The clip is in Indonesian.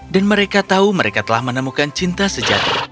dan mereka tahu mereka telah menemukan cinta sejati